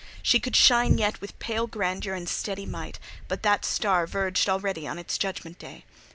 She could shine yet with pale grandeur and steady might; but that star verged already on its judgment day.